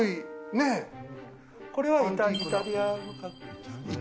これはイタリア。